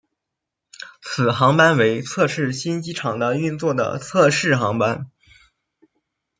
此航班为测试新机场的运作的测试航班。